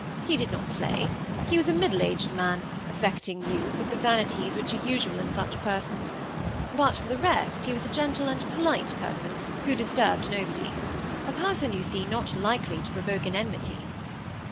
He did not play. He was a middleaged man, affecting youth, with the vanities which are usual in such persons; but, for the rest, he was a gentle and polite person, who disturbed nobody a person, you see, not likely to provoke an enmity."